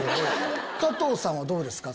加藤さんはどうですか？